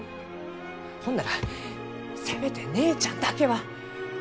ほんならせめて姉ちゃんだけは。